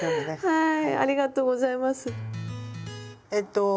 はい。